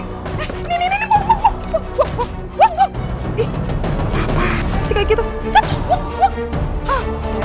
eh nih nih nih nih buk buk buk buk buk buk buk